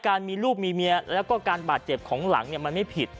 การมีลูกมีเมียแล้วก็การบาดเจ็บของหลังมันไม่ผิด